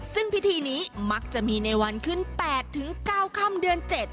ซึ่งพิธีนี้มักจะมีในวันขึ้น๘๙ค่ำเดือน๗